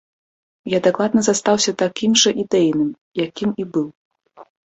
Я дакладна застаўся такім жа ідэйным, якім і быў.